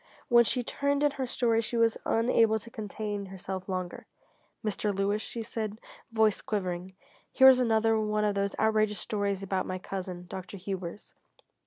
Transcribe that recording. When she turned in her story she was unable to contain herself longer. "Mr. Lewis," she said, voice quivering, "here is another one of those outrageous stories about my cousin, Dr. Hubers.